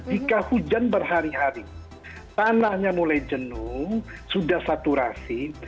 jika hujan berhari hari tanahnya mulai jenuh sudah saturasi